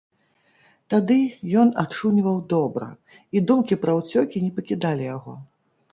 Тады ён ачуньваў добра, і думкі пра ўцёкі не пакідалі яго.